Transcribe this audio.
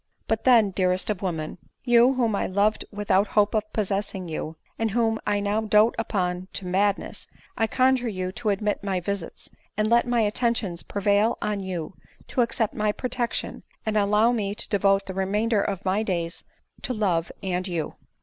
But then, dearest of women, you whom I loved without hope of possessing you, and whom now I dote upon to madness, I conjure you to admit my visits, and let my attentions prevail on you to accept my protection, and allow me to devote the remainder of my days to love and you